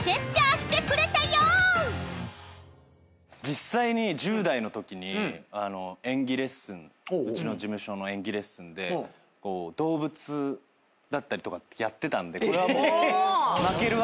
実際に１０代のときに演技レッスンうちの事務所の演技レッスンで動物だったりとかやってたんでこれはもう。